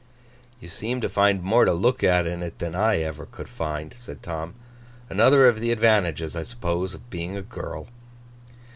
'You seem to find more to look at in it than ever I could find,' said Tom. 'Another of the advantages, I suppose, of being a girl.